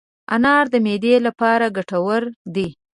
انار د معدې لپاره ګټور دی.